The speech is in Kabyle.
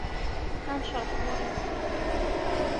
Anecreḥ ɣuri yezga.